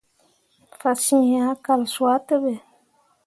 Fasyen ah kal suah ɓe be.